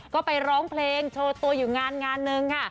ก็ไปร้องเพลงโชว์ตัวอยู่งานงานหนึ่งค่ะ